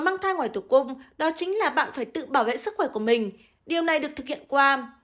mang thai ngoài tử cung đó chính là bạn phải tự bảo vệ sức khỏe của mình điều này được thực hiện qua